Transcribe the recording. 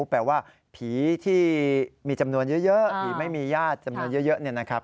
แปลว่าผีที่มีจำนวนเยอะผีไม่มีญาติจำนวนเยอะเนี่ยนะครับ